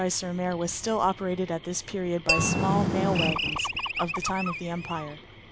sur M. was still operated at this period by small mail wagons of the time of the Empire.